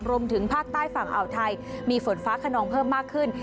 รวมถึงภาคใต้ฝั่งอ่าวไทยมีฝนฟ้าขนองเพิ่มมากขึ้น